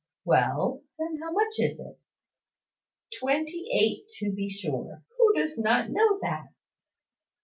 "Well, then, how much is it?" "Twenty eight, to be sure. Who does not know that?"